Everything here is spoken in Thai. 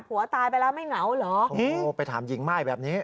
ตายไปแล้วไม่เหงาเหรอโอ้โหไปถามหญิงม่ายแบบนี้